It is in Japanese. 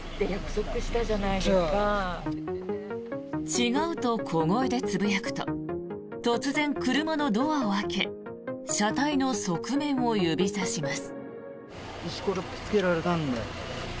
違うと小声でつぶやくと突然、車のドアを開け車体の側面を指さします。